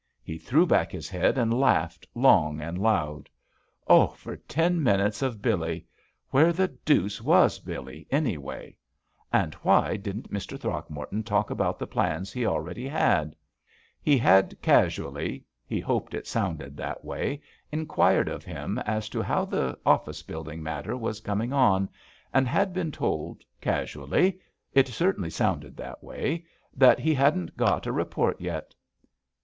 He threw back his head and laughed long and loud. Oh, for ten minutes of Billee ! Where the deuce was Billee, anyway? And why didn't Mr.Throckmorton talk about the plans ^ JUST SWEETHEARTS he already had? He had casually, he hoped it sounded that way, inquired of him as to how the office building matter was coming on, and had been told, casually, it certainly sounded that way, that he hadn't got a re port yet.